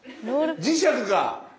磁石か！